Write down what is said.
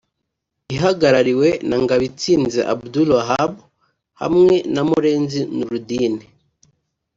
ihagarariwe na Ngabitsinze Abdul Wahab hamwe na Murenzi Nurudine